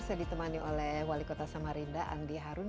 saya ditemani oleh wali kota samarinda andi harun